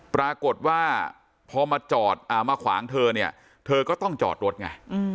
ปรากฏว่าพอมาจอดมาขวางเธอเนี่ยเธอก็ต้องจอดรถไง